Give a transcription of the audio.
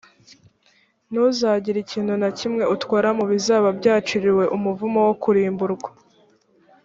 ntuzagire ikintu na kimwe utwara mu bizaba byaciriwe umuvumo wo kurimburwa.